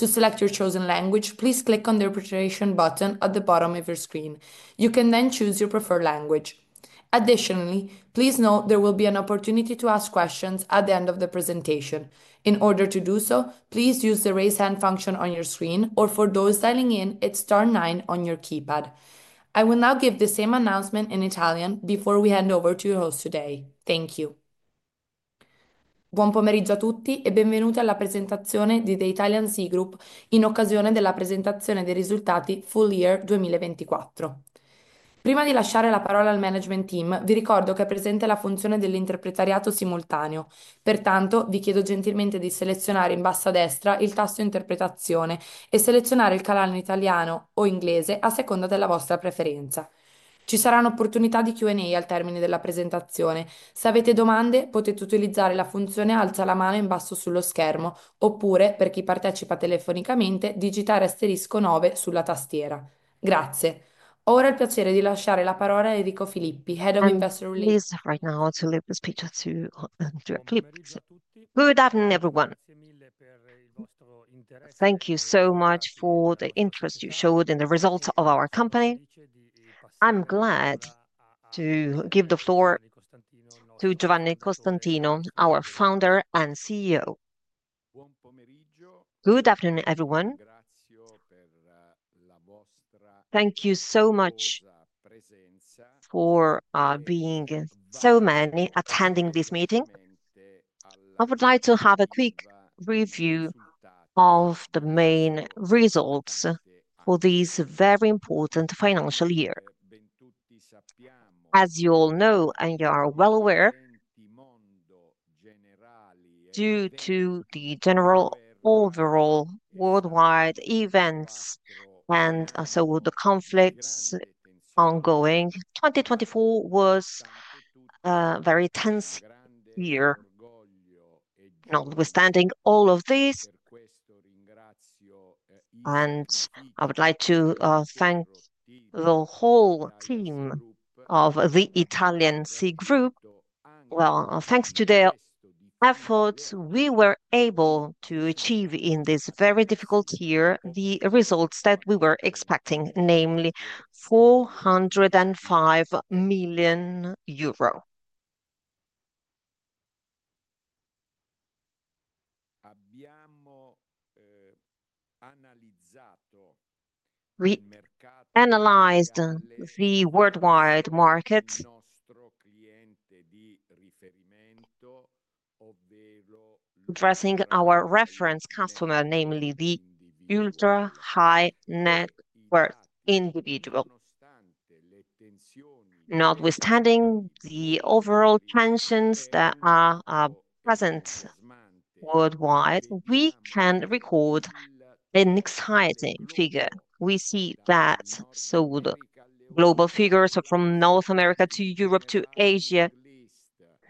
To select your chosen language, please click on the arbitration button at the bottom of your screen. You can then choose your preferred language. Additionally, please note there will be an opportunity to ask questions at the end of the presentation. In order to do so, please use the raise hand function on your screen or for those dialing in, it's 9 on your keypad. For the interest you showed in the results of our company. I'm glad to give the floor to Giovanni Constantino, our Founder and CEO. Good afternoon, everyone. Thank you so much for being so many attending this meeting. I would like to have a quick review of the main results for this very important financial year. As you all know and you are well aware, due to the general overall worldwide events and so with the conflicts ongoing. 2024 was a very tense year, notwithstanding all of this. And I would like to thank the whole team of the Italian Sea Group. Well, thanks to their efforts, we were able to achieve in this very difficult year the results that we were expecting, namely EUR $4.00 5,000,000. We analyzed the worldwide market, addressing our reference customer, namely the ultra high net worth individual. Notwithstanding the overall tensions that are present worldwide, we can record an exciting figure. We see that so good. Global figures are from North America to Europe to Asia,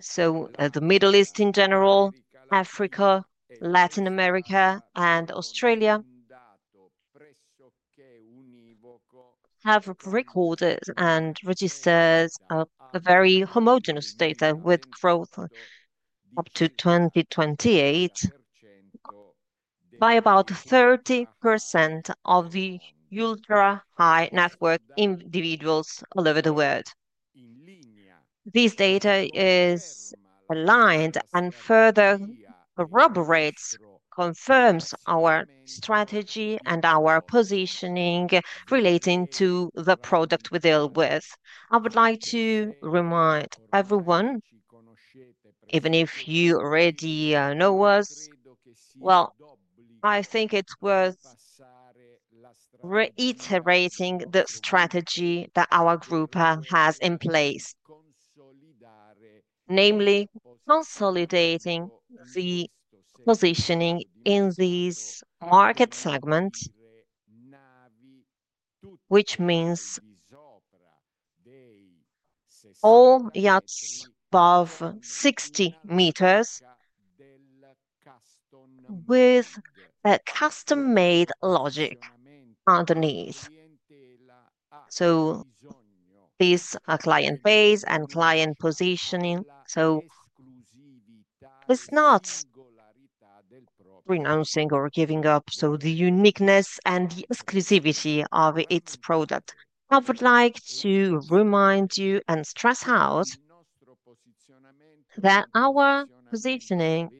So The Middle East in general, Africa, Latin America and Australia have recorded and registered a very homogeneous data with growth up to 2028 by about 30% of the ultra high network individuals all over the world. This data is aligned and further corroborates, confirms our strategy and our positioning relating to the product we deal with. I would like to remind everyone, even if you already know us, well, I think it was reiterating the strategy that our group has in place, namely consolidating the positioning in this market segment, which means all yachts above 60 meters with a custom made logic underneath. So this client base and client positioning, so it's not renouncing or giving up, so the uniqueness and the exclusivity of its product. I would like to remind you and stress out that our positioning,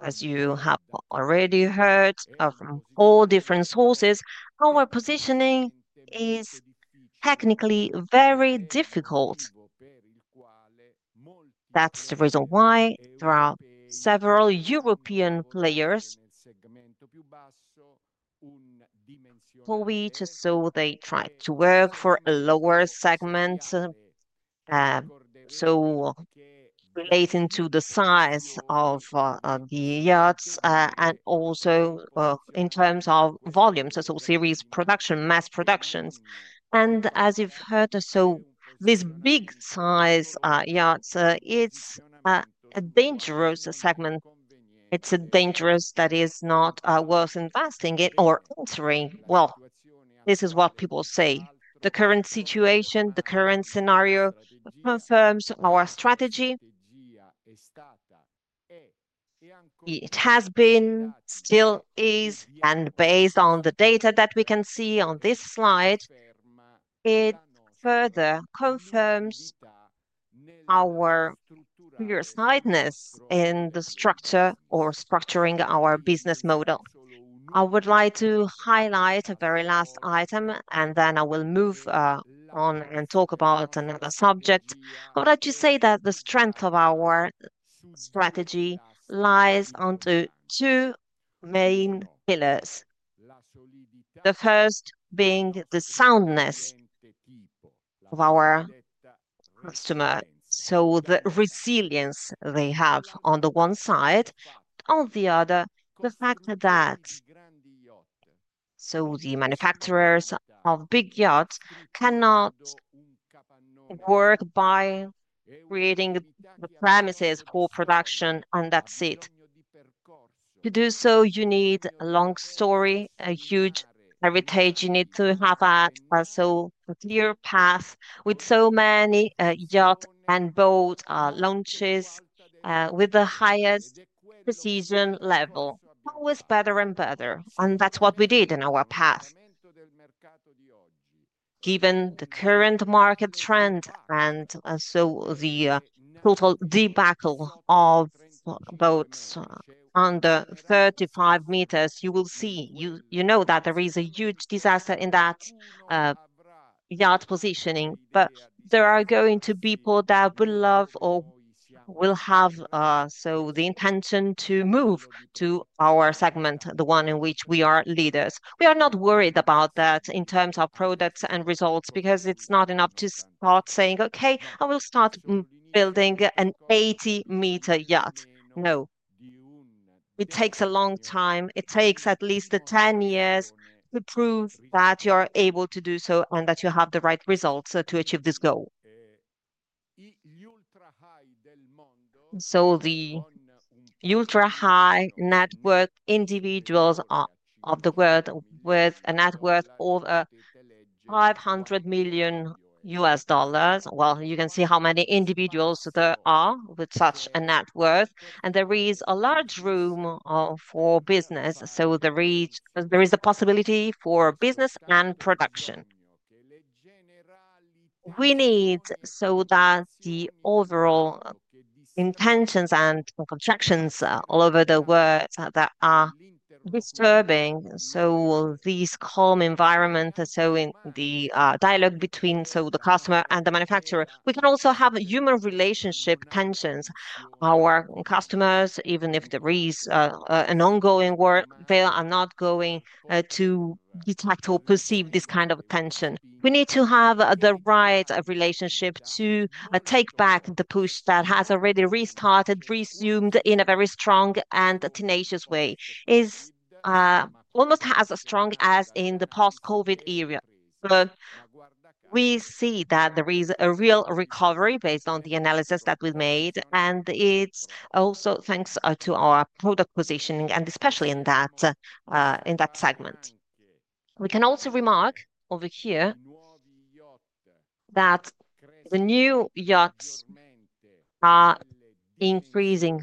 as you have already heard from four different sources, our positioning is technically very difficult. That's the reason why there are several European players probably just so they tried to work for a lower segment, so relating to the size of the yachts and also in terms of volumes, so series production, mass productions. And as you've heard, so this big size yachts, it's a dangerous segment. It's dangerous that it's not worth investing or answering. Well, this is what people say. The current situation, the current scenario confirms our strategy. It has been, still is and based on the data that we can see on this slide, it further confirms our clear sideness in the structure or structuring our business model. I would like to highlight a very last item and then I will move on and talk about another subject. I would like to say that the strength of our strategy lies onto two main pillars. The first being the soundness of our customer, So the resilience they have on the one side, on the other, the fact that so the manufacturers of big yacht cannot work by creating the premises for production on that seat. To do so, you need a long story, a huge heritage. You need to have a so clear path with so many yacht and boat launches with the highest precision level. That was better and better and that's what we did in our path. Given the current market trend and so the total debacle of boats under 35 meters, you will see you know that there is a huge disaster in that yacht positioning, but there are going to be people that will love or will have, so the intention to move to our segment, the one in which we are leaders. We are not worried about that in terms of products and results because it's not enough to start saying, okay, I will start building an 80 meter yacht. No. It takes a long time. It takes at least ten years to prove that you are able to do so and that you have the right results to achieve this goal. So the ultra high net worth individuals of the world with a net worth over $500,000,000 Well, you can see how many individuals there are with such a net worth. And there is a large room for business. So there is a possibility for business and production. We need so that the overall intentions and contractions all over the world that are disturbing, so this calm environment, so in the dialogue between so the customer and the manufacturer, we can also have a human relationship tensions. Our customers, even if there is an ongoing work, they are not going to detect or perceive this kind of tension. We need to have the right relationship to take back the push that has already restarted, resumed in a very strong and tenacious way. It's almost as strong as in the past COVID era. We see that there is a real recovery based on the analysis that we made and it's also thanks to our product positioning and especially in that segment. We can also remark over here that the new yachts are increasing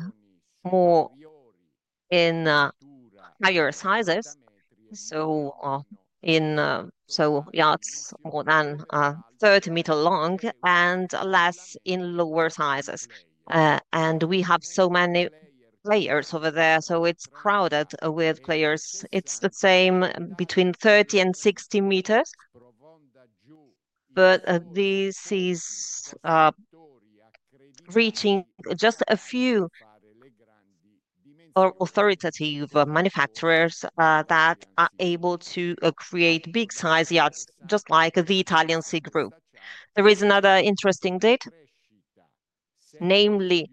more in higher sizes, so in so yachts more than 30 meter long and less in lower sizes. And we have so many players over there, so it's crowded with players. It's the same between thirty and sixty meters, but this is reaching just a few authoritative manufacturers that are able to create big size yachts just like the Italian Sea Group. There is another interesting date, namely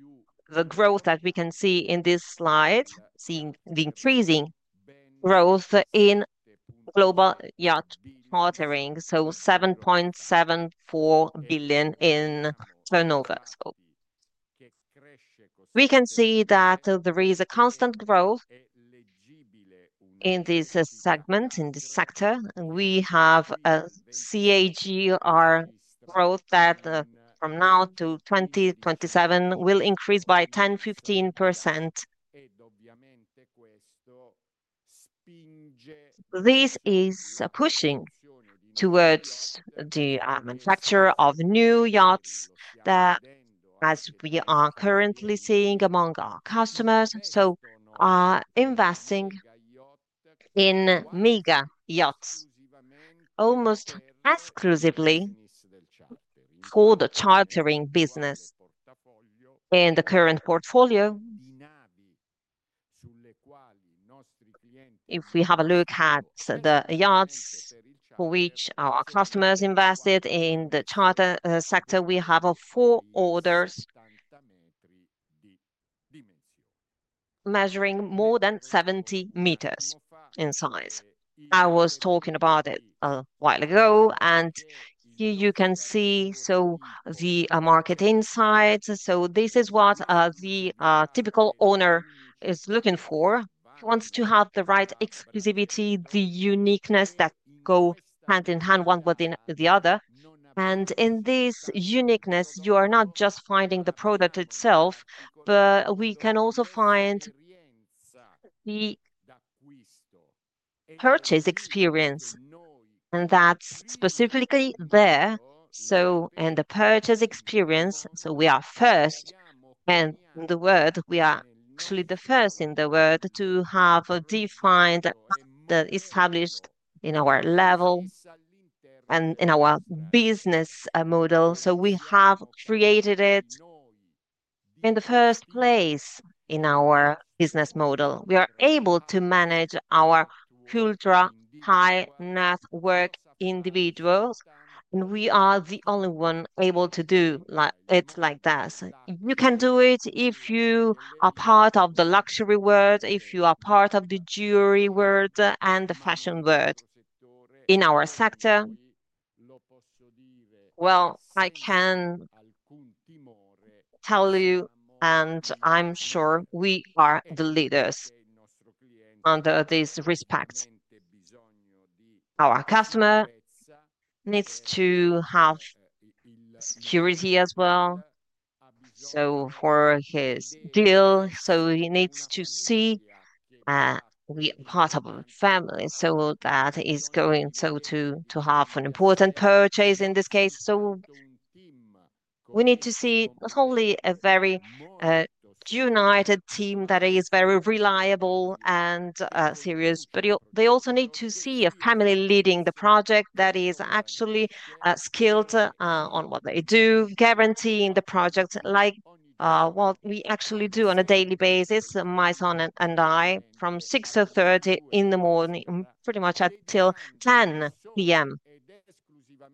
the growth that we can see in this slide, seeing the increasing growth in global yacht chartering, so 7,740,000,000.00 in turnover. We can see that there is a constant growth in this segment, in this sector. We have a CAGR growth that from now to 2027 will increase by 10%, fifteen %. This is pushing towards the manufacture of new yachts that as we are currently seeing among our customers, so investing in mega yachts almost exclusively for the chartering business. In the current portfolio, if we have a look at the yards for which our customers invested in the charter sector, we have four orders measuring more than 70 meters in size. I was talking about it a while ago and here you can see so the market insights. So this is what the typical owner is looking for. He wants to have the right exclusivity, the uniqueness that go hand in hand one within the other. And in this uniqueness, you are not just finding the product itself, but we can also find the purchase experience and that's specifically there. So in the purchase experience, so we are first in the world we are actually the first in the world to have a defined established in our level and in our business model. So we have created it in the first place in our business model. We are able to manage our ultra high network individuals, and we are the only one able to do it like that. You can do it if you are part of the luxury world, if you are part of the jewelry world and the fashion world in our sector. Well, I can tell you and I'm sure we are the leaders under this respect. Our customer needs to have security as well. So for his deal. So he needs to see we are part of a family, so that is going to have an important purchase in this case. So we need to see not only a very united team that is very reliable and serious, but they also need to see a family leading the project that is actually skilled on what they do, guaranteeing the project like what we actually do on a daily basis, my son and I, from 06:30 in the morning, pretty much until 10PM.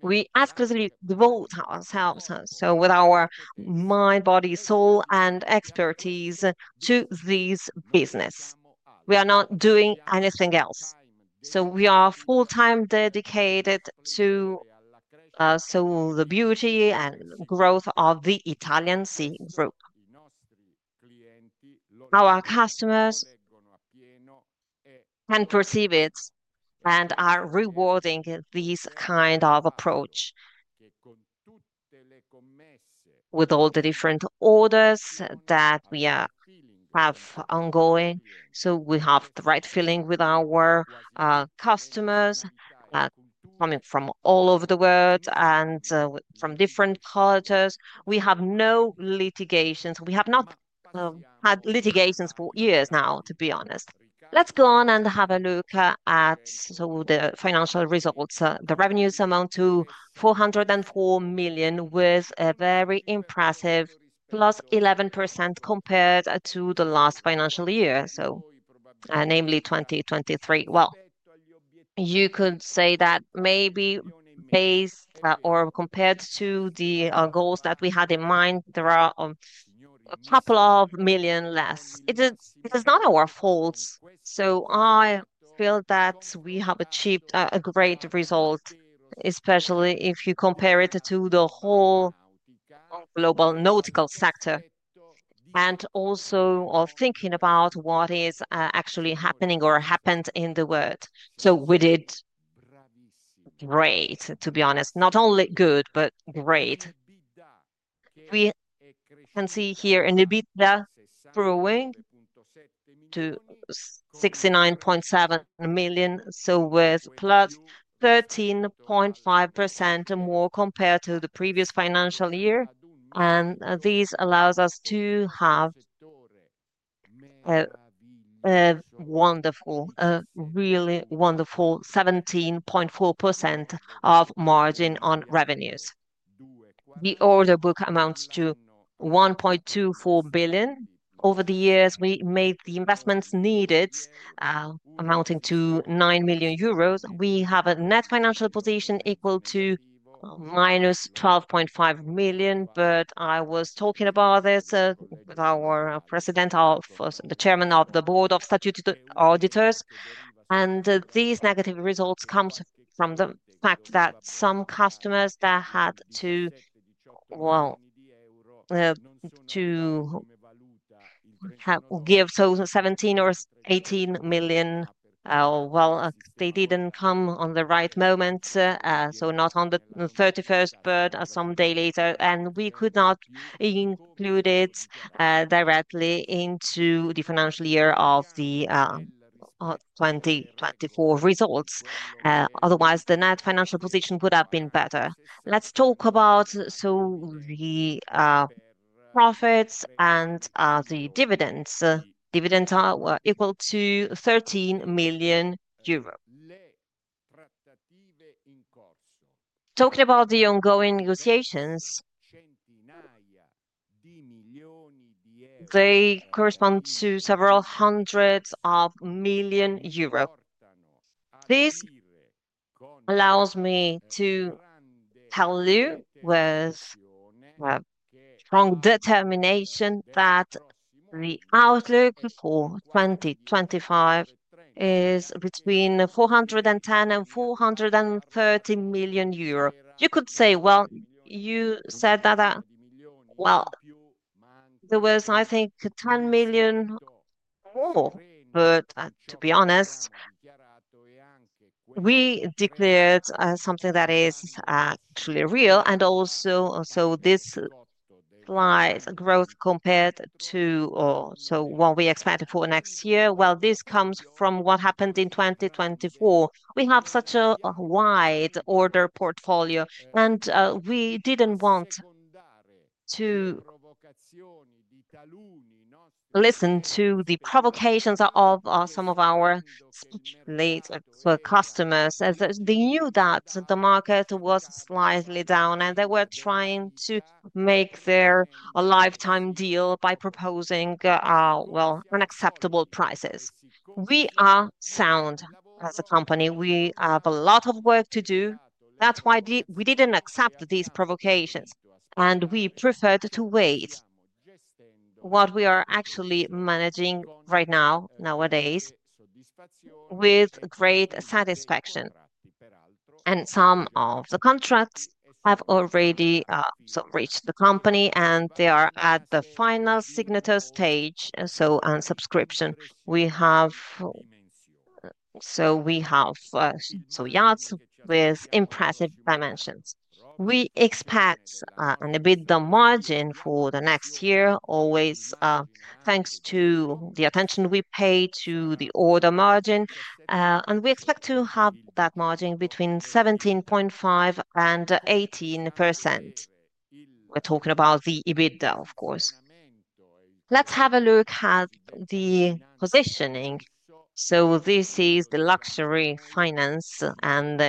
We actively devote ourselves, so with our mind, body, soul and expertise to this business. We are not doing anything else. So we are full time dedicated to also the beauty and growth of the Italian Sea Route. Our customers can perceive it and are rewarding this kind of approach with all the different orders that we have ongoing. So we have the right feeling with our customers coming from all over the world and from different cultures. We have no litigations. We have not had litigations for years now, to be honest. Let's go on and have a look at the financial results. The revenues amount to $4.00 4,000,000 with a very impressive plus 11% compared to the last financial year, so namely 2023. Well, you could say that maybe based or compared to the goals that we had in mind, there are a couple of million less. It is not our fault. So I feel that we have achieved a great result, especially if you compare it to the whole global nautical sector and also of thinking about what is actually happening or happened in the world. So we did great, to be honest. Not only good, but great. We can see here an EBITDA growing to 69,700,000.0, so with plus 13.5% more compared to the previous financial year. And this allows us to have a wonderful, a really wonderful 17.4% of margin on revenues. The order book amounts to 1,240,000,000.00. Over the years, we made the investments needed amounting to SEK 9,000,000. We have a net financial position equal to minus 12,500,000.0, but I was talking about this with our President of the Chairman of the Board of Statute Auditors. And these negative results come from the fact that some customers that had to, well, to give so 17,000,000 or 18,000,000. Well, they didn't come on the right moment, so not on the thirty first, but some day later. And we could not include it directly into the financial year of the 2024 results. Otherwise, the net financial position could have been better. Let's talk about so the profits and the dividends. Dividends are equal to 13,000,000. Talking about the ongoing negotiations, they correspond to several hundreds of million euro. This allows me to tell you with strong determination that the outlook for 2025 is between 410 million and 430 million euro. You could say, well, you said that, well, there was, I think, million or, but to be honest, we declared something that is actually real and also this implies growth compared to so what we expected for next year. Well, this comes from what happened in 2024. We have such a wide order portfolio, and we didn't want to listen to the provocations of some of our speech leads to our customers. They knew that the market was slightly down and they were trying to make their lifetime deal by proposing, well, unacceptable prices. We are sound as a company. We have a lot of work to do. That's why we didn't accept these provocations and we preferred to wait what we are actually managing right now, nowadays, with great satisfaction. And some of the contracts have already reached the company, and they are at the final signature stage, so on subscription. We have so we have two yards with impressive dimensions. We expect an EBITDA margin for the next year always thanks to the attention we pay to the order margin. And we expect to have that margin between 17.518%. We're talking about the EBITDA, of course. Let's have a look at the positioning. So this is the luxury finance and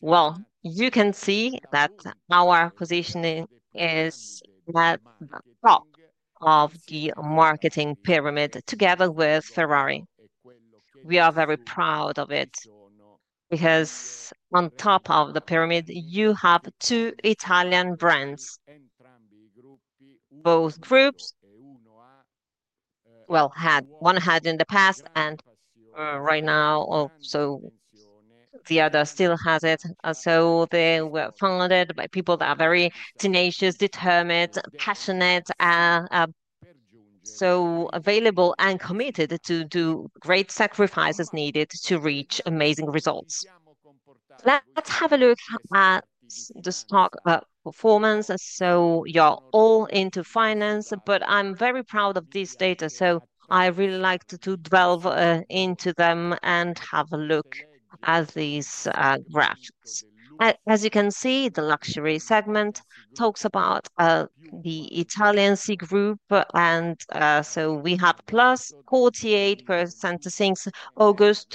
well, you can see that our positioning is that the top of the marketing pyramid together with Ferrari. We are very proud of it because on top of the pyramid, you have two Italian brands. Both groups, well, had one had in the past and right now also the other still has it. So they were founded by people that are very tenacious, determined, passionate, so available and committed to do great sacrifices needed to reach amazing results. Let's have a look at the stock performance. So you're all into finance, but I'm very proud of this data. So I really like to delve into them and have a look at these graphs. As you can see, the luxury segment talks about the Italian Sea Group. And so we have plus 48% since August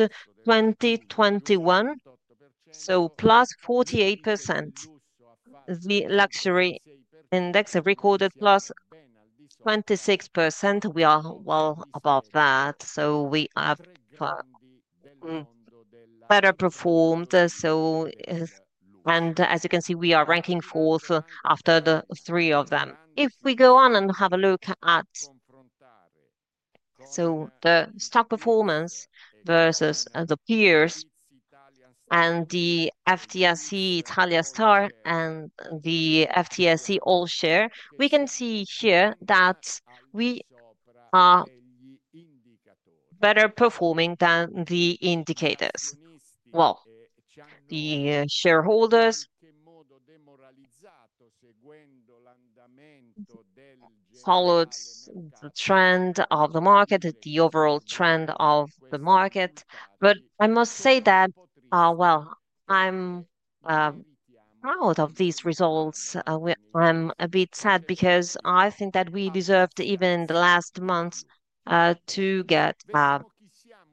2021, so plus 48%. The luxury index recorded plus 26%. We are well above that. So we have better performed, so and as you can see, we are ranking fourth after the three of them. If we go on and have a look at, so the stock performance versus the peers and the FTSE Italia Star and the FTSE All Share, we can see here that we are better performing than the indicators. Well, the shareholders followed the trend of the market, the overall trend of the market. But I must say that, well, I'm proud of these results. I'm a bit sad because I think that we deserved even in the last month to get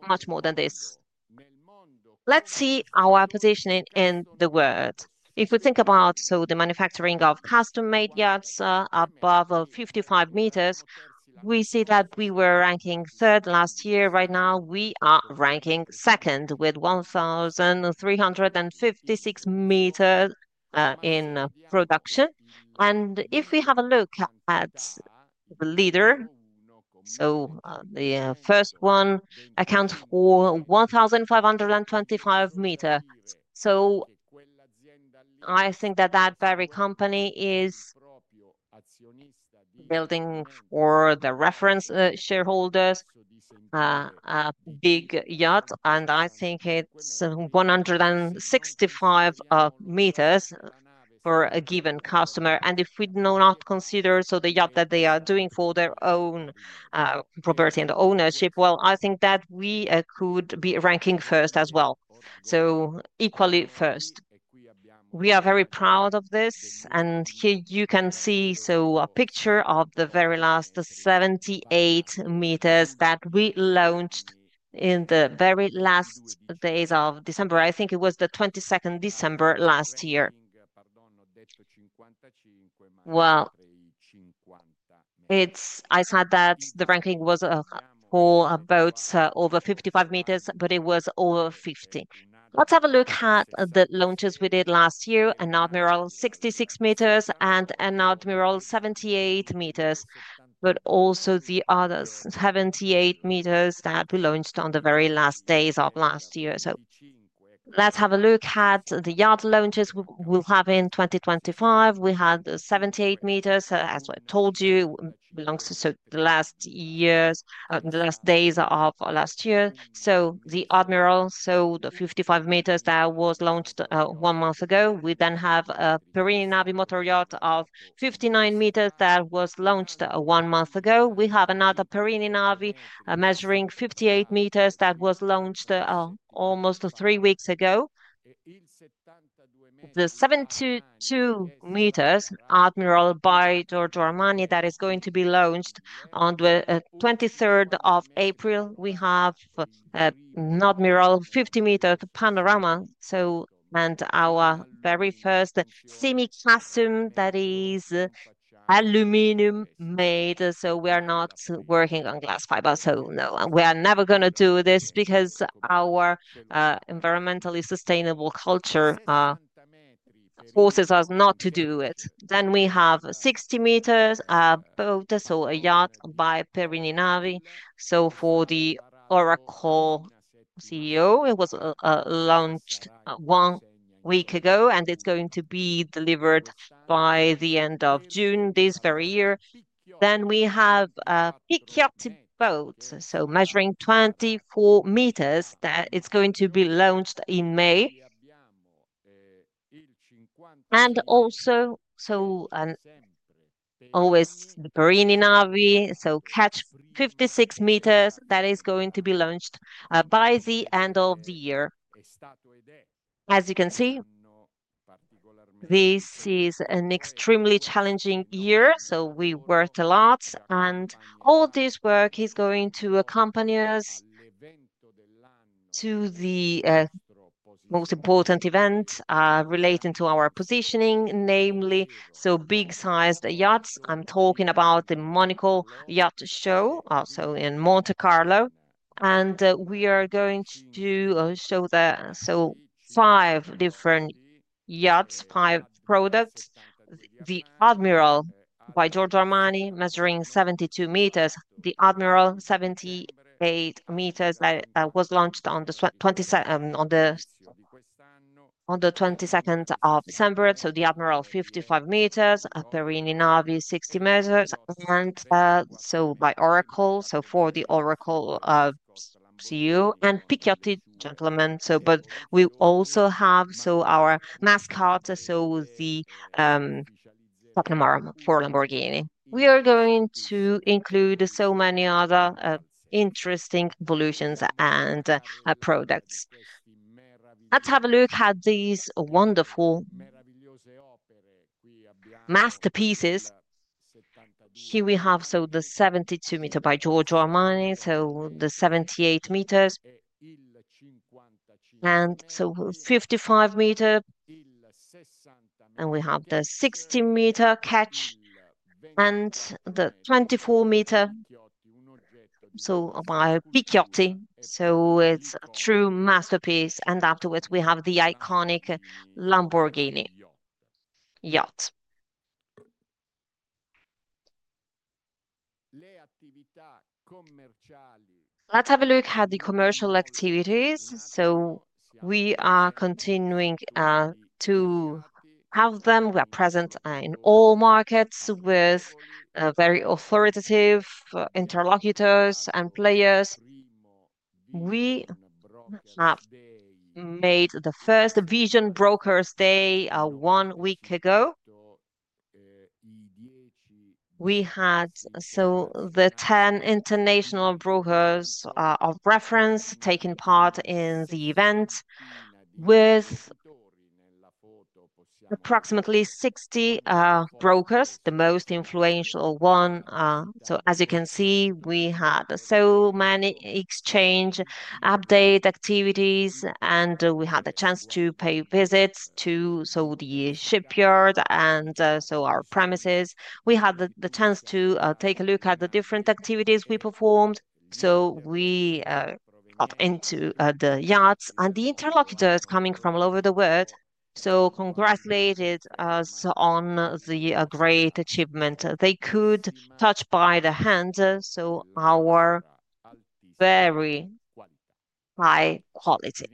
much more than this. Let's see our positioning in the world. If we think about, so, the manufacturing of custom made yachts above 55 meters, we see that we were ranking third last year. Right now, we are ranking second with thirteen fifty six meters in production. And if we have a look at the leader, so the first one accounts for fifteen twenty five meters. So I think that that very company is building for the reference shareholders a big yacht and I think it's 165 meters for a given customer. And if we do not consider, so the yacht that they are doing for their own property and ownership, well, I think that we could be ranking first as well. So equally first. We are very proud of this. And here you can see, so a picture of the very last 78 meters that we launched in the very last days of December. I think it was the twenty second December last year. Well, it's I said that the ranking was for boats over 55 meters, but it was over 50. Let's have a look at the launches we did last year, Enadmiral 66 meters and Enadmiral 78 meters, but also the other 78 meters that we launched on the very last days of last year. So let's have a look at the yard launches we'll have in 2025. We had 78 meters, as I told you, belongs to the last years, the last days of last year. So the Admiral sold 55 meters that was launched one month ago. We then have a Perini Navi motor yacht of 59 meters that was launched one month ago. We have another Perini Navi measuring 58 meters that was launched almost three weeks ago. The seven twenty two meters admiral by Giorgio Armani that is going to be launched on the April 23. We have not mural, 50 meter panorama. So and our very first semi custom that is aluminum made. So we are not working on glass fiber. So no. We are never gonna do this because our environmentally sustainable culture forces us not to do it. Then we have 60 meters boat, so a yacht by Perrin Inavi. So for the Oracle CEO, it was launched one week ago, and it's going to be delivered by the June this very year. Then we have a pickyacht boat, so measuring 24 meters that it's going to be launched in May. And also so always the Bahraini Navi, so catch 56 meters that is going to be launched by the end of the year. As you can see, this is an extremely challenging year, so we worked a lot. And all this work is going to accompany us to the most important event relating to our positioning, namely, so big sized yachts. I'm talking about the Monaco Yacht Show also in Monte Carlo. And we are going to show the so five different yachts, five products. The Admiral by Giorgio Armani measuring 72 meters. The Admiral, 78 meters that was launched on the December 22. So the Admiral, 55 meters. Aperini Navi, 60 meters. And so by Oracle, so for the Oracle CU and Piccati, gentlemen. So but we also have so our mascot, so the, Guatemala for Lamborghini. We are going to include so many other interesting Volusians and products. Let's have a look at these wonderful masterpieces. Here we have, so, the 72 meter by Giorgio Armani, so the 78 meters and so 55 meter. And we have the 60 meter catch and the 24 meter so by Picchiotti. So it's a true masterpiece and afterwards we have the iconic Lamborghini yacht. Let's have a look at the commercial activities. So we are continuing to have them. We are present in all markets with very authoritative interlocutors and players. We have made the first Vision Brokers Day one week ago. We had so the 10 international brokers of reference taking part in the event with approximately 60, brokers, the most influential one. So as you can see, we had so many exchange update activities, and we had the chance to pay visits to so the shipyard and so our premises. We had the chance to take a look at the different activities we performed so we hop into the yachts and the interlocutors coming from all over the world So, congratulate us on the great achievement. They could touch by the hand, so our very high quality.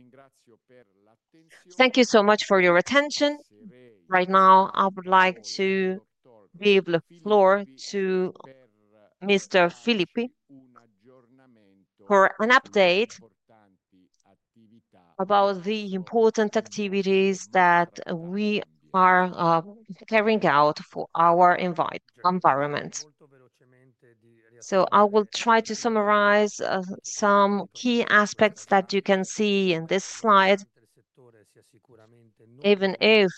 Thank you so much for your attention. Right now, I would like to give the floor to Mr. Felipe for an update about the important activities that we are carrying out for our environment. So I will try to summarize some key aspects that you can see in this slide. Even if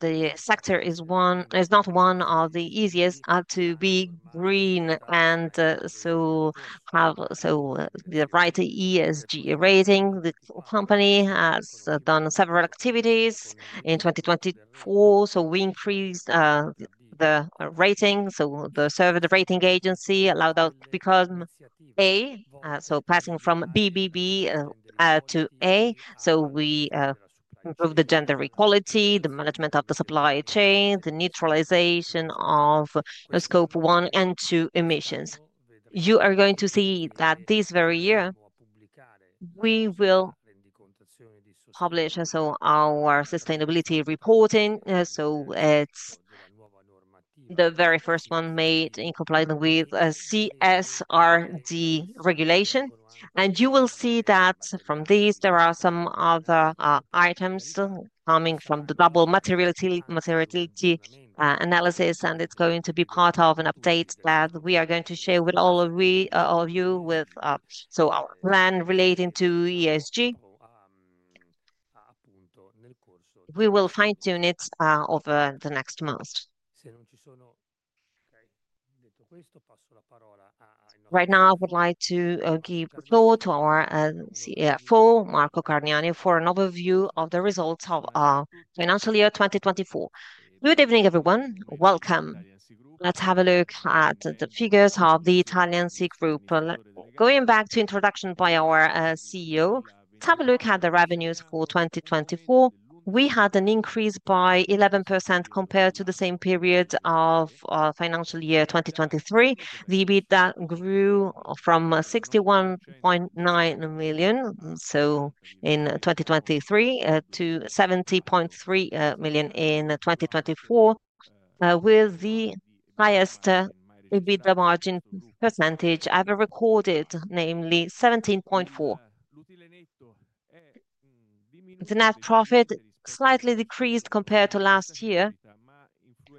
the sector is not one of the easiest, are to be green and have so the right ESG rating, the company has done several activities in 2024. So we increased the rating. So the server the rating agency allowed out to become A, so passing from BBB to A. So we improve the gender equality, the management of the supply chain, the neutralization of the scope one and two emissions. You are going to see that this very year, we will publish, also, our sustainability reporting. So it's the very first one made in compliance with CS RD regulation. And you will see that from these, there are some other items coming from the double materiality analysis, and it's going to be part of an update that we are going to share with all of you with so our plan relating to ESG. We will fine tune it over the next month. Right now, I would like to give floor to our CFO, Marco Carniani, for an overview of the results of our financial year 2024. Good evening, everyone. Welcome. Let's have a look at the figures of the Italian Sea Group. Going back to introduction by our CEO, let's have a look at the revenues for 2024. We had an increase by 11% compared to the same period of financial year 2023. The EBITDA grew from 61.9 million, so in 2023, to 70.3 million in 2024, with the highest EBITDA margin percentage ever recorded, namely 17,400,000.0. The net profit slightly decreased compared to last year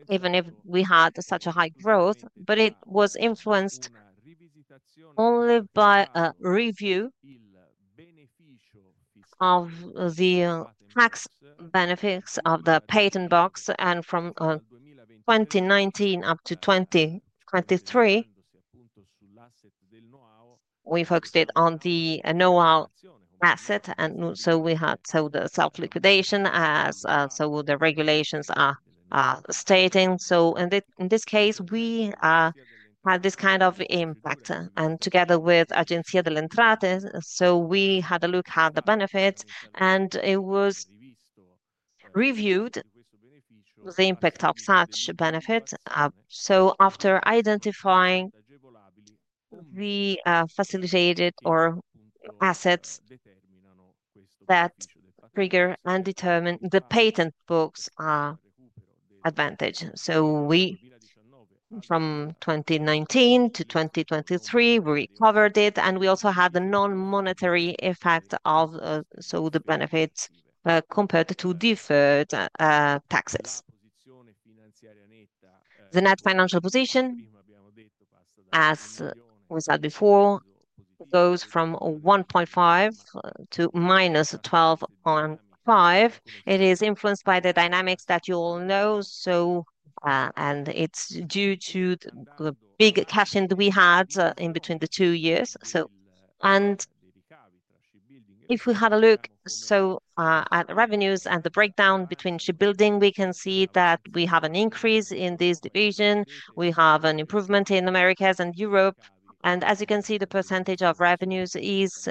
even if we had such a high growth, but it was influenced only by a review of the tax benefits of the Patent Box. And from 2019 up to 2023, we focused it on the NOAO asset and so we had sold the self liquidation as so the regulations are stating. So in this case, we had this kind of impact. And together with Agencia del Intrati, so we had a look at the benefits and it was reviewed the impact of such benefits. So after identifying the facilitated or assets that trigger and determine the patent book's advantage. So we from 2019 to 2023, we recovered it and we also had the non monetary effect of so the benefits compared to deferred taxes. The net financial position, as we said before, goes from 1.5 to minus 12.5. It is influenced by the dynamics that you all know. So and it's due to the big cash in that we had in between the two years. So and if we have a look, so at revenues and the breakdown between shipbuilding, we can see that we have an increase in this division. We have an improvement in Americas and Europe. And as you can see, the percentage of revenues is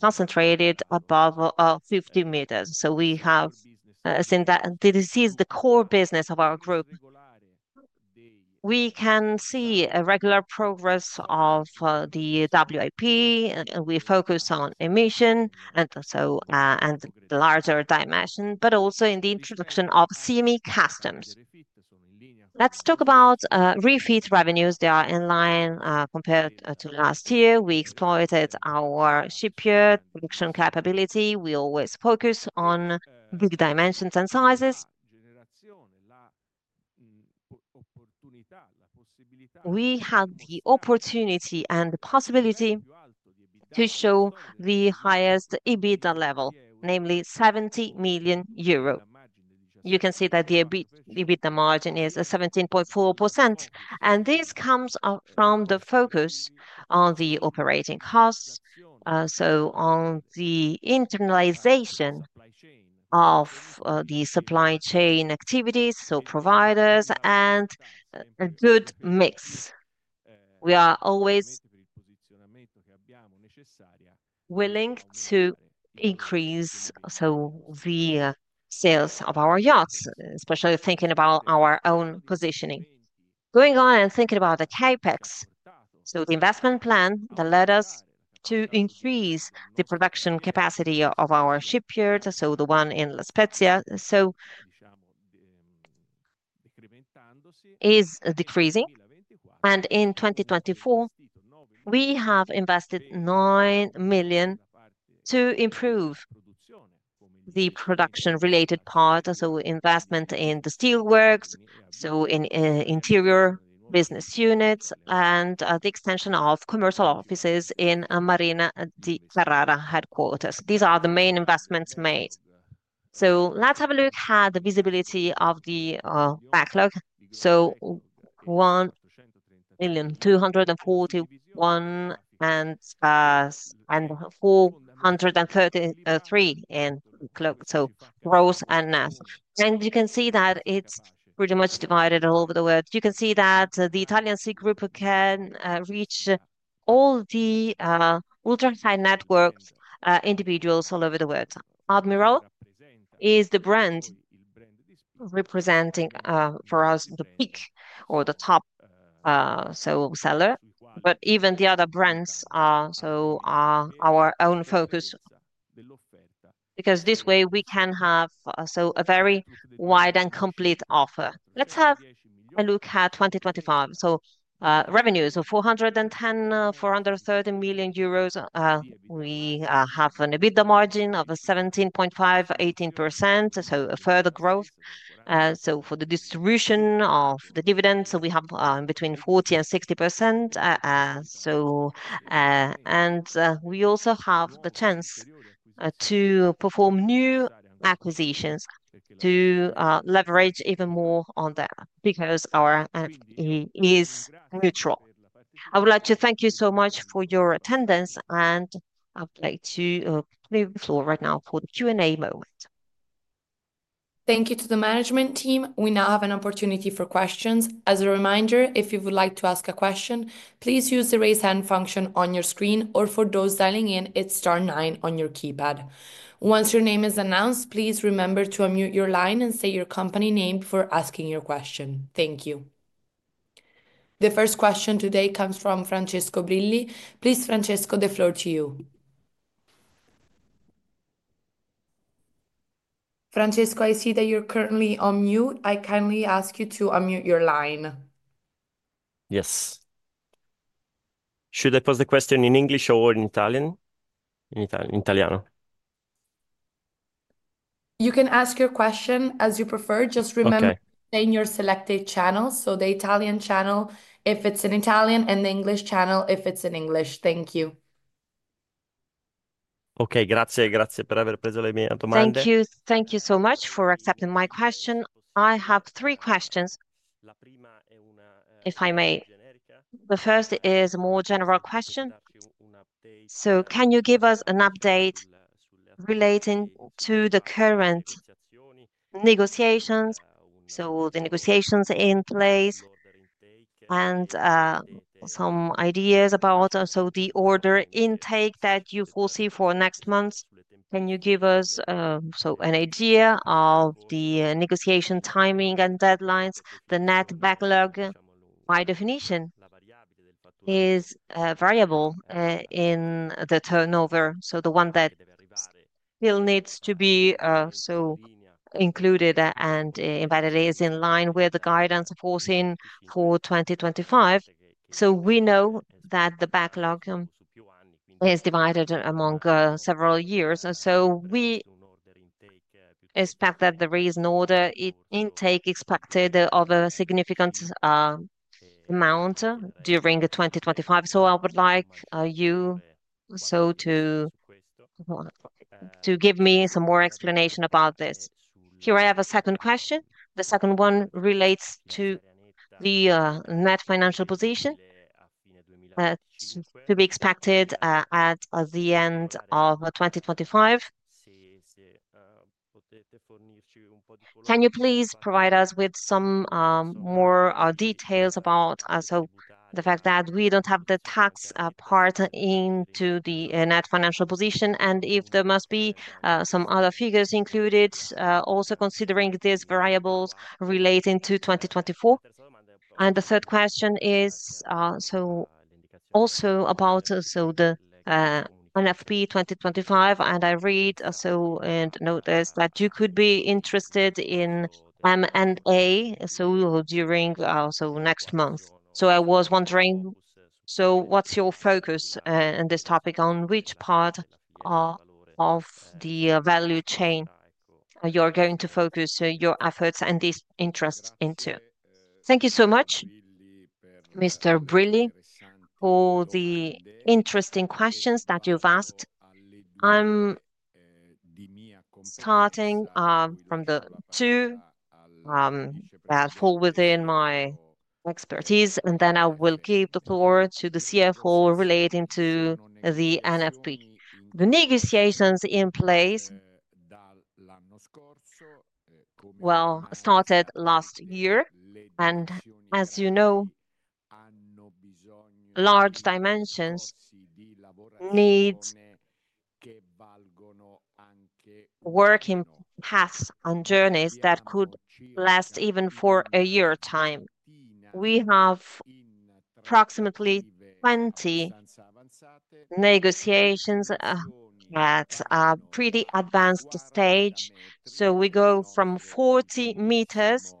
concentrated above 50 meters. So we have seen that this is the core business of our group. We can see a regular progress of the WIP and we focus on emission and so and the larger dimension, but also in the introduction of semi customs. Let's talk about refit revenues. They are in line compared to last year. We exploited our shipyard production capability. We always focus on big dimensions and sizes. We had the opportunity and the possibility to show the highest EBITDA level, namely million. You can see that the EBITDA margin is 17.4%, and this comes from the focus on the operating costs. So on the internalization of the supply chain activities or providers and a good mix. We are always willing to increase, so the sales of our yachts, especially thinking about our own positioning. Going on and thinking about the CapEx, so the investment plan that led us to increase the production capacity of our shipyard, so the one in La Spezia, so is decreasing. And in 2024, we have invested 9,000,000 to improve the production related part, so investment in the steelworks, so in interior business units and the extension of commercial offices in Marina De Carrara headquarters. These are the main investments made. So let's have a look at the visibility of the backlog. So million 241 and 433 and so gross and NASS. And you can see that it's pretty much divided all over the world. You can see that the Italian C Group can reach all the ultra high networks, individuals all over the world. Admiral is the brand representing for us the peak or the top seller, but even the other brands are our own focus because this way we can have also a very wide and complete offer. Let's have a look at 2025. So revenues of EUR $410,000,000, 4 30 million. We have an EBITDA margin of 17.5%, eighteen %, so a further growth. So for the distribution of the dividend, so we have between 4060%. So and we also have the chance to perform new acquisitions to leverage even more on that because our fee is neutral. I would like to thank you so much for your attendance, and I'd like to leave the floor right now for Q and A moment. Thank you to the management team. We now have an opportunity for questions. The first question today comes from Francesco Brili. Please, Francesco, the floor to you. Francesco, I see that you're currently on mute. I kindly ask you to unmute your line. Yes. Should I post the question in English or in Italian? In Italiano? You can ask your question as you prefer. Just remember in your selected channels. So the Italian channel, if it's in Italian, and the English channel, if it's in English. Thank you. Okay. Thank you. Thank you so much for accepting my question. I have three questions, if I may. The first is a more general question. So can you give us an update relating to the current negotiations, so the negotiations in place? And some ideas about also the order intake that you foresee for next month. Can you give us, so an idea of the negotiation timing and deadlines? The net backlog, by definition, is variable in the turnover. So the one that still needs to be so included and embedded is in line with the guidance of course in for 2025. So we know that the backlog is divided among several years. And so we expect that there is no other intake expected of a significant amount during 2025. So I would like you so to give me some more explanation about this. Here I have a second question. The second one relates to the net financial position to be expected at the end of twenty twenty five. Can you please provide us with some more details about the fact that we don't have the tax part into the net financial position? And if there must be some other figures included also considering these variables relating to 2024? And the third question is also about the NFP 2025. And I read also and notice that you could be interested in M and A, so during also next month. So I was wondering, so what's your focus in this topic on which part of the value chain you're going to focus your efforts and this interest into? Thank you so much, Mr. Brilli, for the interesting questions that you've asked. I'm starting from the two that fall within my expertise, and then I will give the floor to the CFO relating to the NFP. The negotiations in place, well, started last year. And as you know, large dimensions need working paths and journeys that could last even for a year time. We have approximately 20 negotiations at a pretty advanced stage. So we go from 40 meters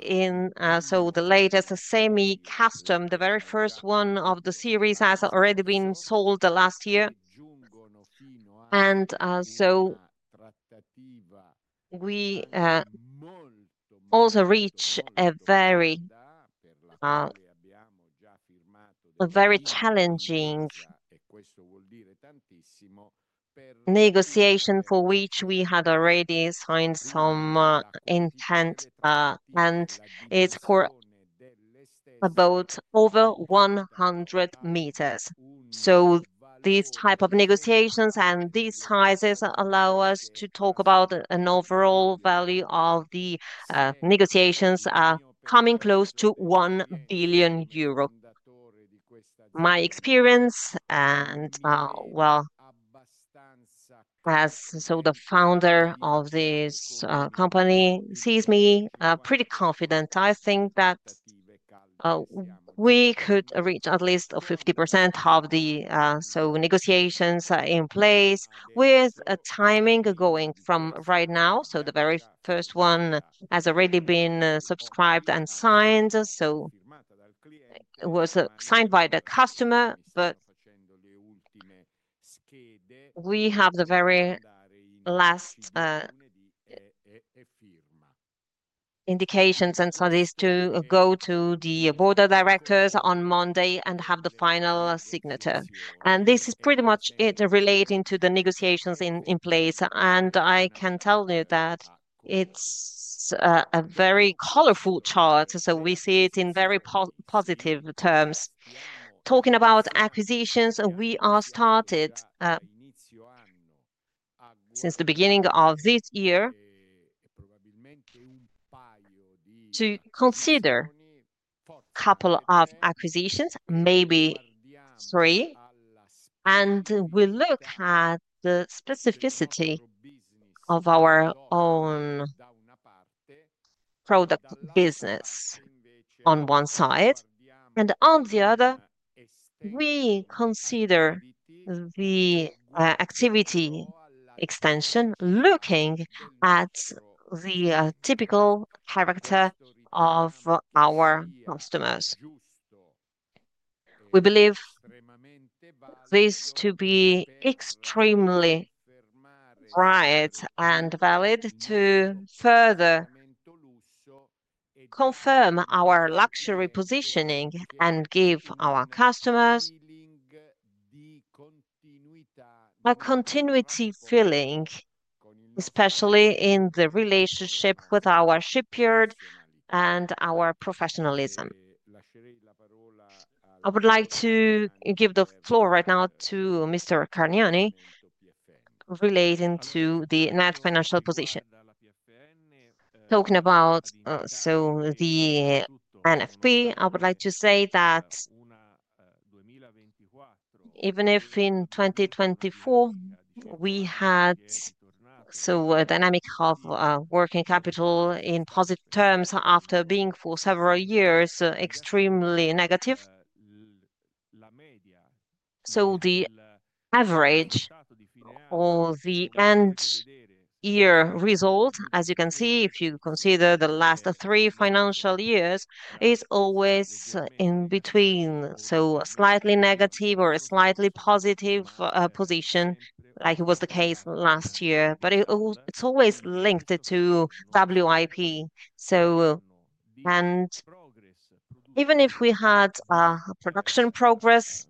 in so the latest, a semi custom, the very first one of the series has already been sold last year. And so we also reach a very challenging negotiation for which we had already signed some intent, and it's for about over 100 meters. So these type of negotiations and these sizes allow us to talk about an overall value of the negotiations coming close to 1,000,000,000 euro. My experience and, well, as the founder of this company sees me pretty confident. I think that we could reach at least 50% of the negotiations in place with timing going from right now. So the very first one has already been subscribed and signed. So it was signed by the customer. But we have the very last indications and studies to go to the Board of Directors on Monday and have the final signature. And this is pretty much it relating to the negotiations in place. And I can tell you that it's a very colorful chart, so we see it in very positive terms. Talking about acquisitions, we are started since the beginning of this year to consider couple of acquisitions, maybe three. And we look at the specificity of our own product business on one side. And on the other, we consider the activity extension looking at the typical character of our customers. We believe this to be extremely bright and valid to further confirm our luxury positioning and give our customers a continuity feeling, especially in the relationship with our shipyard and our professionalism. I would like to give the floor right now to Mr. Carniani relating to the net financial position. Talking about, so the NFP, I would like to say that even if in 2024, we had so dynamic of working capital in positive terms after being for several years extremely negative, So the average or the end year result, as you can see, if you consider the last three financial years, is always in between. So slightly negative or slightly positive position like it was the case last year, but it's always linked to WIP. So and even if we had production progress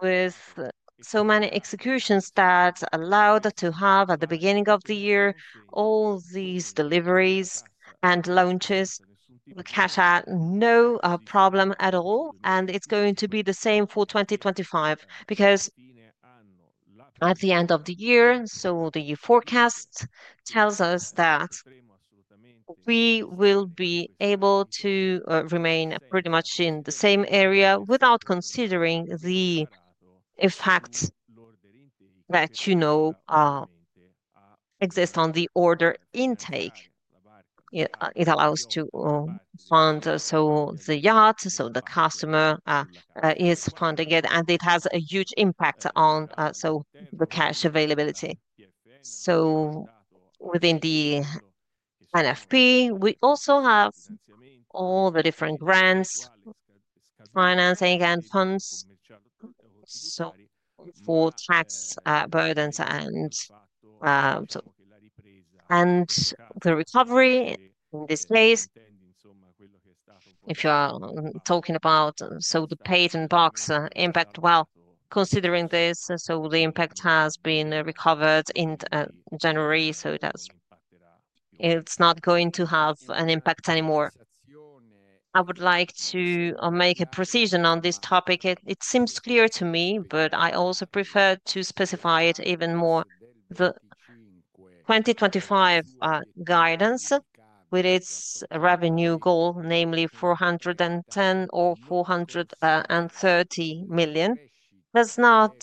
with so many executions that allowed to have at the beginning of the year all these deliveries and launches, with cash out, no problem at all. And it's going to be the same for 2025 because at the end of the year, so the forecast tells us that we will be able to remain pretty much in the same area without considering the effects that exist on the order intake. It allows to fund the yacht, so the customer is funding it, and it has a huge impact on the cash availability. So within the NFP, we also have all the different grants financing and funds for tax burdens and the recovery in this place. If you are talking about so the patent box impact, well, considering this, so the impact has been recovered in January, so it's not going to have an impact anymore. I would like to make a precision on this topic. It seems clear to me, but I also prefer to specify it even more. The 2025 guidance with its revenue goal, namely NOK $410,000,000 or NOK $430,000,000 does not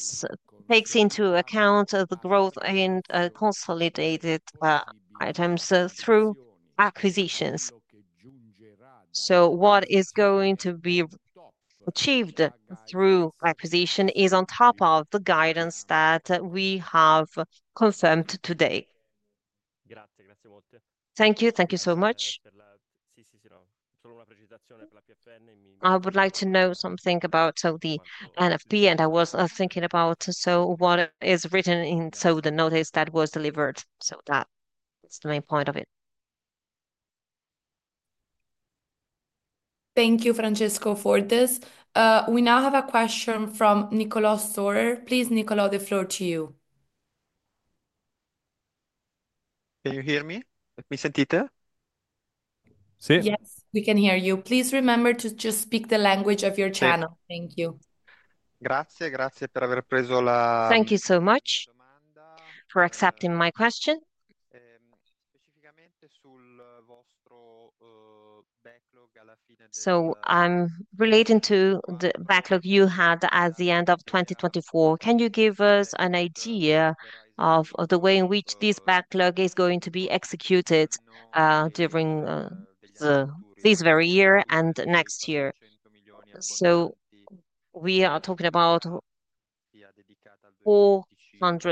takes into account the growth in consolidated items through acquisitions. So what is going to be achieved through acquisition is on top of the guidance that we have confirmed today. Thank you. Thank you so much. I would like to know something about the NFP, and I was thinking about, so what is written in, so the notice that was delivered. So that is the main point of it. Thank you, Francesco Fuertes. We now have a question from Niccolo Sore. Please, Niccolo, the floor to you. Can you hear me, miss Antiete? Yes. We can hear you. Please remember to just speak the language of your channel. Thank you. Thank you so much for accepting my question. So I'm relating to the backlog you had at the end of twenty twenty four. Can you give us an idea of the way in which this backlog is going to be executed during this very year and next year? So we are talking about 400,000,000. And do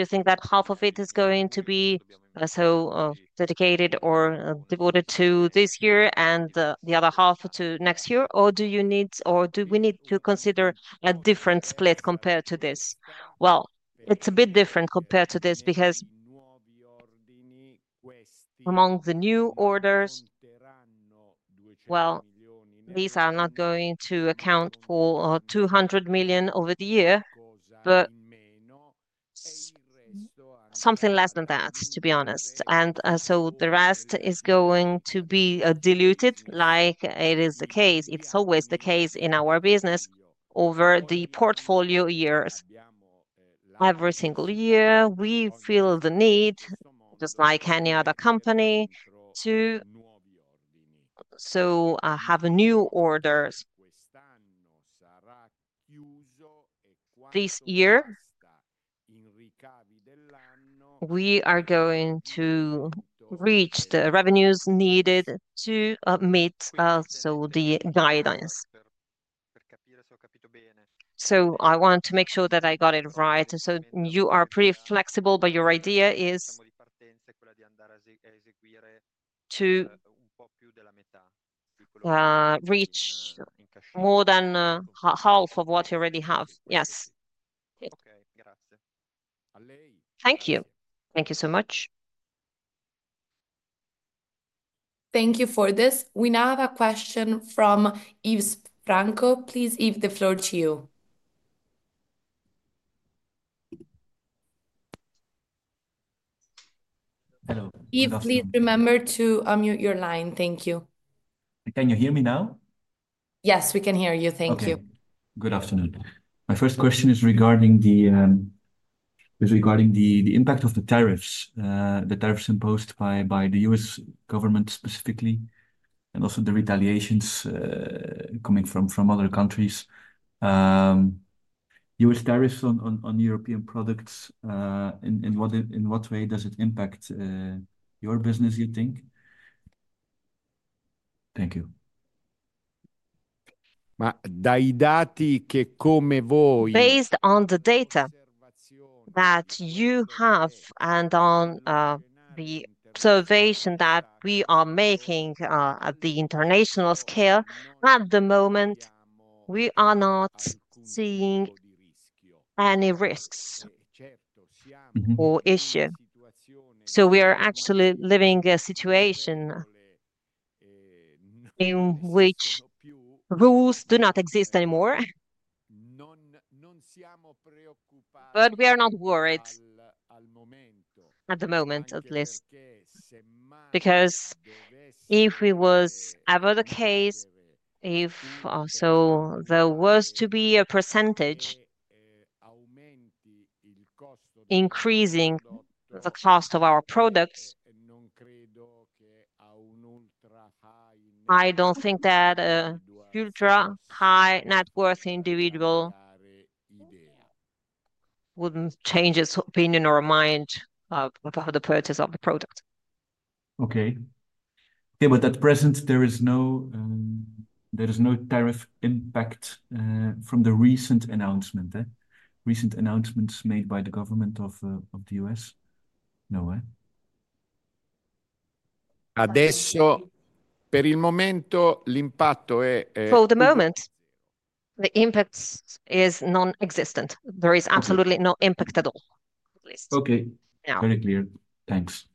you think that half of it is going to be so dedicated or devoted to this year and the other half to next year? Or do you need or do we need to consider a different split compared to this? Well, it's a bit different compared to this because among the new orders, well, these are not going to account for 200,000,000 over the year, but something less than that, to be honest. And so the rest is going to be diluted like it is the case it's always the case in our business over the portfolio years. Every single year, we feel the need, just like any other company, to so have new orders. This year, we are going to reach the revenues needed to meet also the guidance. So I want to make sure that I got it right. And so you are pretty flexible, but your idea is to reach more than half of what you already have. Yes. Thank you. Thank you so much. Thank you for this. We now have a question from Yves Franco. Please, Yves, the floor to you. Hello. Yves, please remember to unmute your line. Thank you. Can you hear me now? Yes. We can hear you. Thank you. Good afternoon. My first question is regarding the, is regarding the impact of the tariffs, the tariffs imposed by the US government specifically and also the retaliations coming from other countries. You will start us on on European products, in in what in what way does it impact your business, you think? Thank you. Based on the data that you have and on the observation that we are making at the international scale, at the moment, we are not seeing any risks or issue. So we are actually living in a situation in which rules do not exist anymore. But we are not worried, at the moment, at least, because if it was ever the case, if also there was to be a percentage increasing the cost of our products, I don't think that a ultra high net worth individual wouldn't change his opinion or mind of the purchase of the product. Okay. But at present, there is no tariff impact from the recent announcement. Recent announcements made by the government of the US. For the moment, the inputs is non existent. There is absolutely no impact at all. Okay. Very clear. Thanks.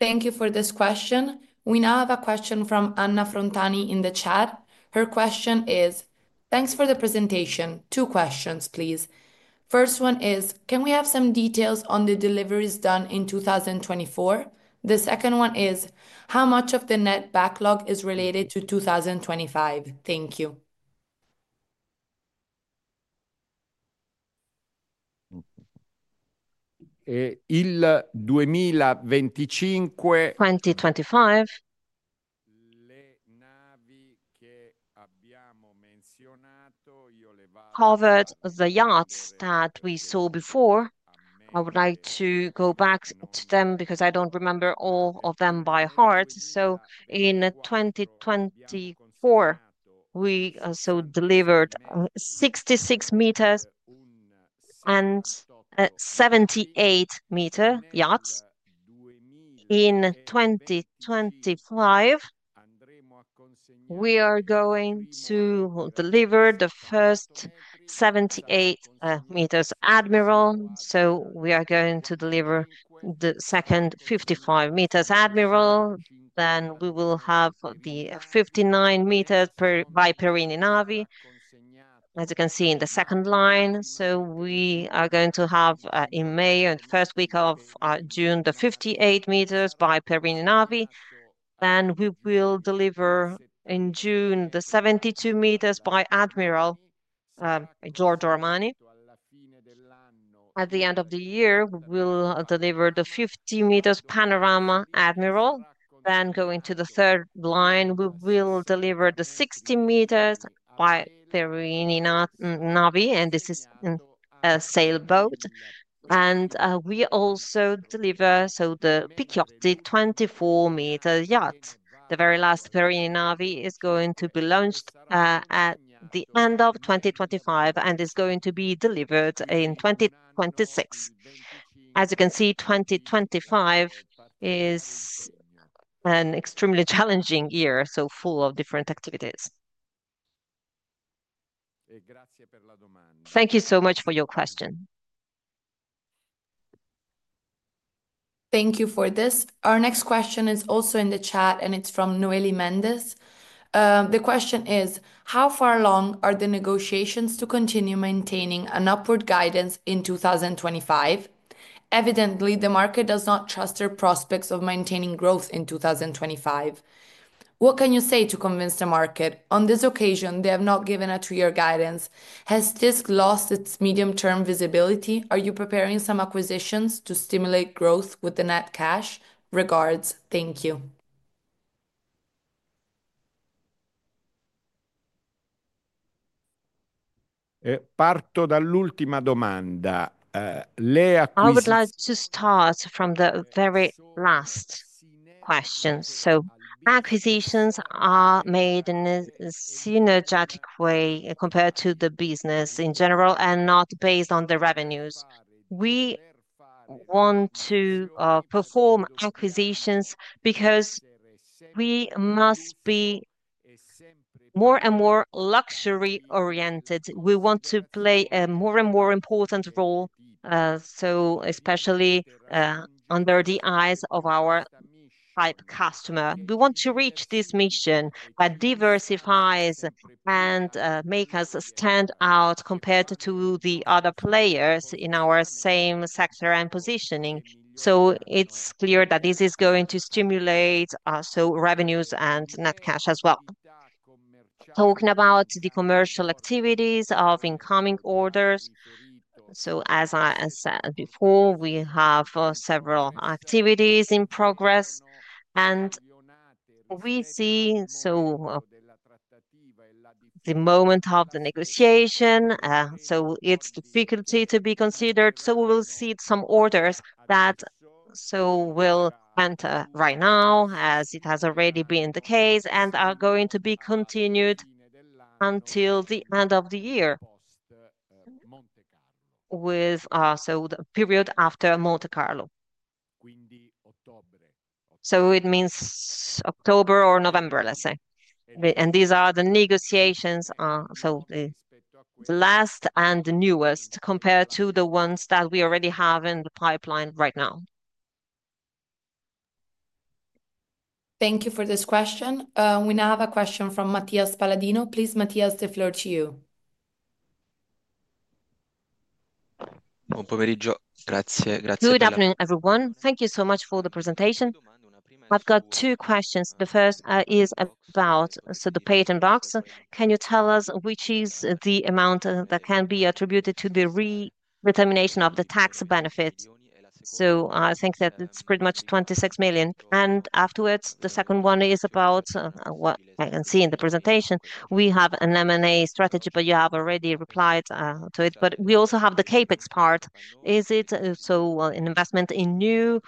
Thank you for this question. We now have a question from Anna Frontani in the chat. Her question is, thanks for the presentation. Two questions, please. First one is, can we have some details on the deliveries done in 2024? The second one is, how much of the net backlog is related to 2025? Thank you. Twenty twenty five. Covered the yachts that we saw before. I would like to go back to them because I don't remember all of them by heart. So in 2024, we also delivered 66 meters and 78 meter yachts. In 2025, we are going to deliver the first seventy eight meters admiral. So we are going to deliver the second fifty five meters admiral. Then we will have the 59 meters per by Perini Navi, as you can see in the second line. So we are going to have in May or the June the 58 meters by Perini Navi, and we will deliver in June the 72 meters by admiral, Giorgio Armani. At the end of the year, we'll deliver the 50 meters panorama admiral. Then going to the third line we will deliver the 60 meters by Perini Navi, and this is a sailboat, and we also deliver, so the picotti twenty four meter yacht. The very last Perrine Navi is going to be launched at the end of twenty twenty five and is going to be delivered in 2026. As you can see, 2025 is an extremely challenging year, so full of different activities. Thank you for this. Our next question is also in the chat and it's from Noeli Mendez. The question is, how far along are the negotiations to continue maintaining an upward guidance in 2025? Evidently, the market does not trust their prospects of maintaining growth in 2025. What can you say to convince the market? On this occasion, they have not given a two year guidance. Has this lost its medium term visibility? Are you preparing some acquisitions to stimulate growth with the net cash? Regards. Thank you. I would like to start from the very last question. So acquisitions are made in a synergic way compared to the business in general and not based on the revenues. We want to perform acquisitions because we must be more and more luxury oriented. We want to play a more and more important role, so especially under the eyes of our pipe customer. We want to reach this mission that diversifies and make us stand out compared to the other players in our same sector and positioning. So it's clear that this is going to stimulate also revenues and net cash as well. Talking about the commercial activities of incoming orders. So as I said before, we have several activities in progress. And we see, so the moment of the negotiation, so it's difficulty to be considered. So we will see some orders that so will enter right now as it has already been the case and are going to be continued until the end of the year with, so the period after Monte Carlo. So it means October or November, let's say. And these are the negotiations, so the last and the newest compared to the ones that we already have in the pipeline right now. Thank you for this question. We now have a question from Matias Paladino. Please, Matias, the floor to you. Good afternoon, everyone. Thank you so much for the presentation. I've got two questions. The first is about the Patent Box. Can you tell us which is the amount that can be attributed to the re termination of the tax benefit? So I think that it's pretty much 26 million. And afterwards, the second one is about what I can see in the presentation. We have an M and A strategy, but you have already replied to it. But we also have the CapEx part. Is it so an investment in new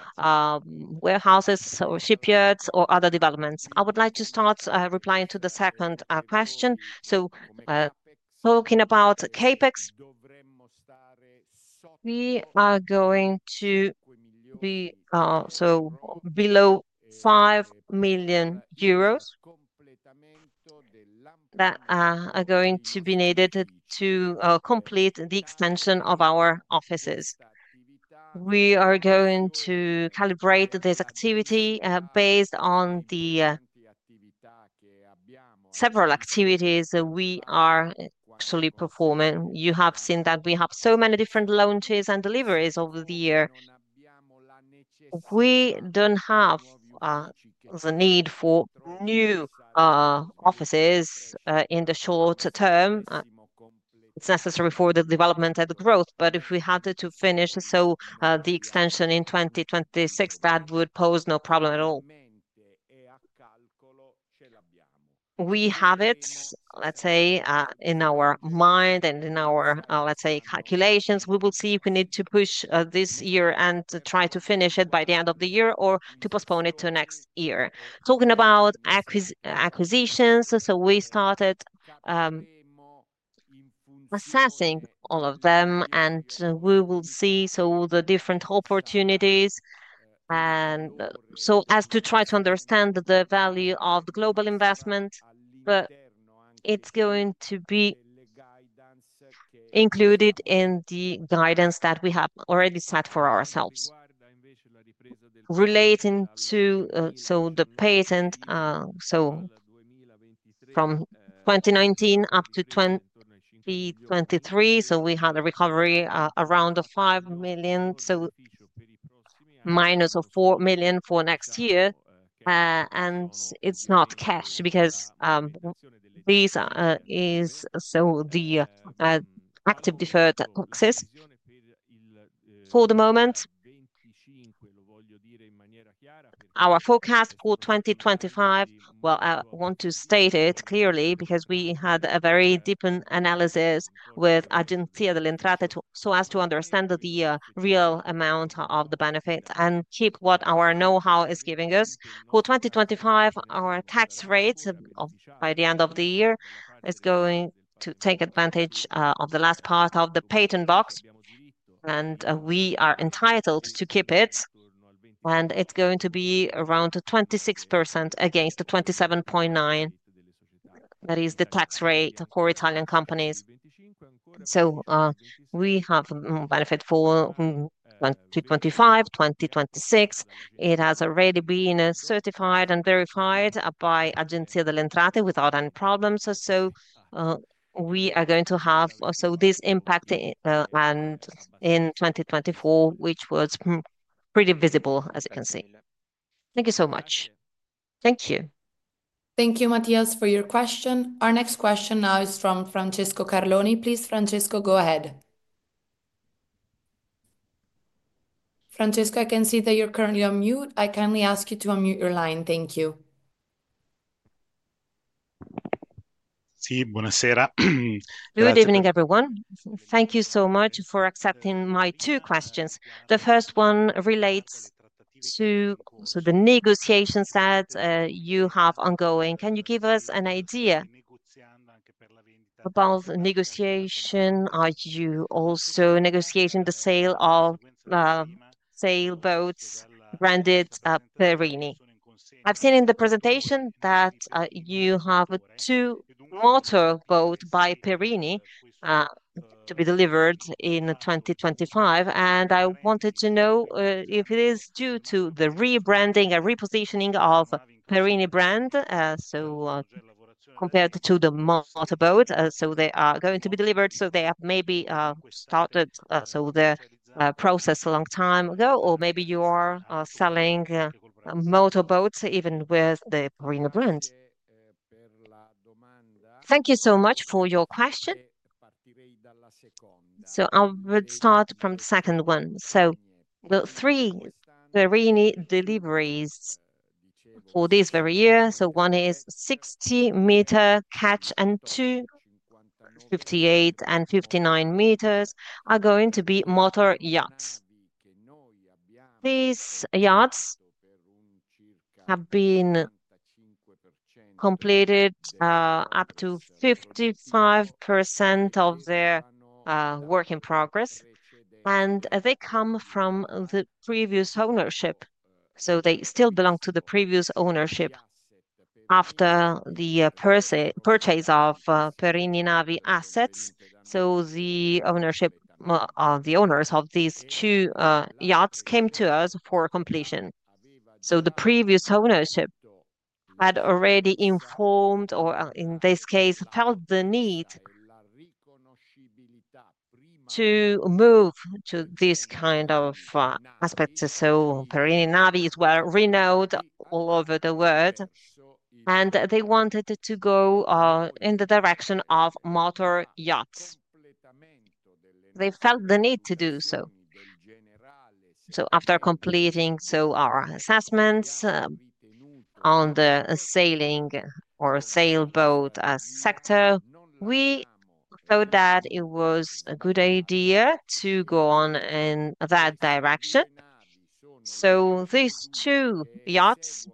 warehouses or shipyards or other developments? I would like to start replying to the second question. So talking about CapEx, we are going to be, so below €5,000,000 that are going to be needed to complete the extension of our offices. We are going to calibrate this activity based on the several activities we are actually performing. You have seen that we have so many different launches and deliveries over the year. We don't have the need for new offices in the shorter term. It's necessary for the development and the growth, but if we had to finish, so the extension in 2026, that would pose no problem at all. We have it, let's say, in our mind and in our, let's say, calculations. We will see if we need to push this year and to try to finish it by the end of the year or to postpone it to next year. Talking about acquisitions, so we started assessing all of them, and we will see so the different opportunities. And so as to try to understand the value of the global investment, but it's going to be included in the guidance that we have already set for ourselves relating to so the patent, so from 2019 up to 2023, so we had a recovery around the 5,000,000, so minus of 4,000,000 for next year. And it's not cash because this is so the active deferred taxes for the moment. Our forecast for 2025, well, I want to state it clearly because we had a very deepened analysis with Argentina del Intrata so as to understand the real amount of the benefit and keep what our know how is giving us. For 2025, our tax rate by the end of the year is going to take advantage of the last part of the patent box, and we are entitled to keep it. And it's going to be around 26% against the 27.9% that is the tax rate for Italian companies. So we have benefit for 2025, '20 '20 '6. It has already been certified and verified by Agencia del Lendrate without any problems. So we are going to have also this impact and in 2024, which was pretty visible as you can see. Thank you so much. Thank you. Thank you, Matias, for your question. Our next question now is from Francisco Carloni. Please, Francisco, go ahead. Francesco, I can see that you're currently on mute. I kindly ask you to unmute your line. Thank you. Good evening, everyone. Thank you so much for accepting my two questions. The first one relates to the negotiations that you have ongoing. Can you give us an idea about negotiation? Are you also negotiating the sale of sailboats branded Perini? I've seen in the presentation that you have a two motor boat by Perini to be delivered in 2025. And I wanted to know if it is due to the rebranding, a repositioning of Perini brand, so compared to the motorboat. So they are going to be delivered, so they have maybe started, so the process a long time ago? Or maybe you are selling motorboats even with the Parena brand? Thank you so much for your question. So I would start from the second one. So three Verini deliveries for this very year. So one is 60 meter catch and two fifty eight and fifty nine meters are going to be motor yachts. These yachts have been completed up to 55% of their work in progress, and they come from the previous ownership. So they still belong to the previous ownership. After the purchase of Perini Navi assets, so the ownership the owners of these two yachts came to us for completion. So the previous ownership had already informed or, in this case, felt the need to move to this kind of aspect. So Perini Navis were renowned all over the world, and they wanted to go in the direction of motor yachts. They felt the need to do so. So after completing, so our assessments on the sailing or sailboat sector, we thought that it was a good idea to go on in that direction. So these two yachts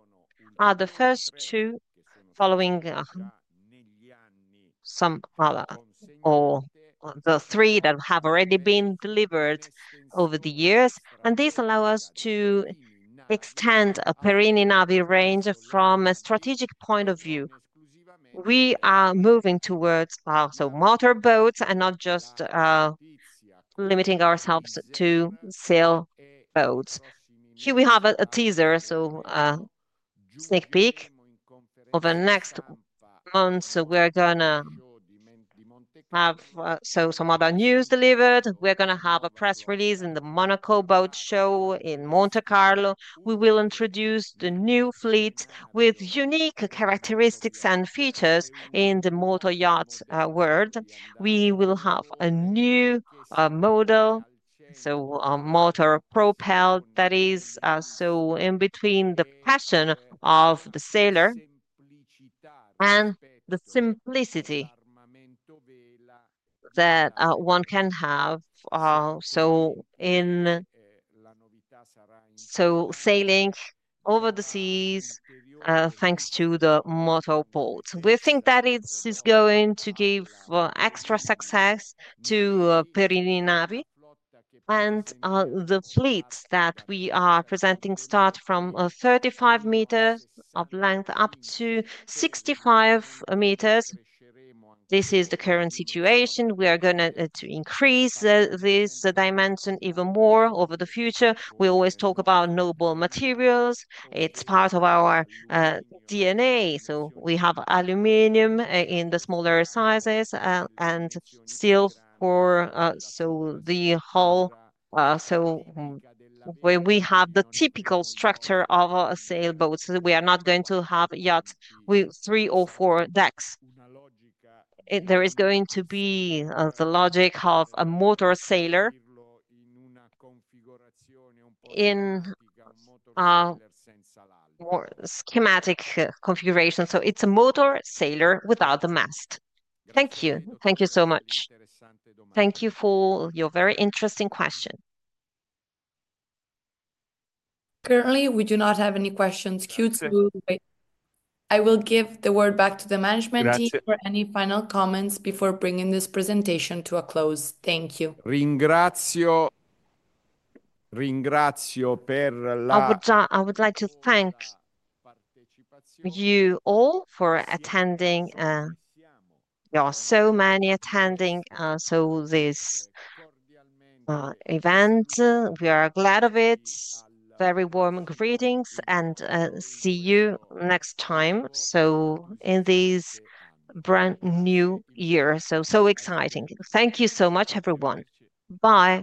are the first two following some other or the three that have already been delivered over the years. And this allow us to extend a Perini Navi range from a strategic point of view. We are moving towards, so motor boats and not just, limiting ourselves to sail boats. Here we have a teaser, so sneak peek over next month. So we're going to have, so some other news delivered. We're going to have a press release in the Monaco Boat Show in Monte Carlo. We will introduce the new fleet with unique characteristics and features in the motor yacht world. We will have a new model, so a motor propelled that is, so in between the passion of the sailor and the simplicity that one can have. So in so sailing over the seas, thanks to the motor port. We think that it is going to give extra success to Perini Navi. And the fleets that we are presenting start from 35 meters of length up to 65 meters. This is the current situation. We are going to increase this dimension even more over the future. We always talk about noble materials. It's part of our DNA. So we have aluminum in the smaller sizes and steel for, so the hull, so where we have the typical structure of a sailboat, we are not going to have yet with three or four decks. There is going to be the logic of a motor sailor in or schematic configuration. So it's a motor sailor without the mast. Thank you. Thank you so much. Thank you for your very interesting question. Currently, we do not have any questions. I will give the word back to the management team for any final comments before bringing this presentation to a close. Thank you. I would like to thank you all for attending. There are so many attending this event. We are glad of it. Very warm greetings and see you next time in this brand new year. So so exciting. Thank you so much everyone. Bye.